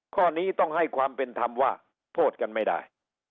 ข้อนี้ต้องให้ความเป็นธรรมว่าโทษกันไม่ได้